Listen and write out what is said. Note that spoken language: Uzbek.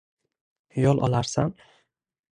Yo’l olarsan